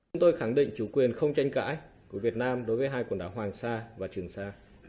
chúng tôi khẳng định chủ quyền không tranh cãi của việt nam đối với hai quần đảo hoàng sa và trường sa